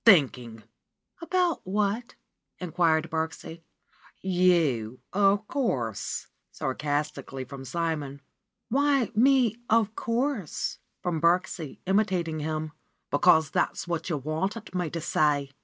''Thinking !" abruptly. "About what ?" inquired Birksie. "You, of course !" sarcastically from Simon. "Why me 'of course' ?" from Birksie, imitating him. "Because that's what you wanted me to say."